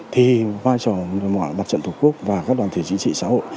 thì vai trò mặt chậm thủ quốc và các đoàn thể chính trị xã hội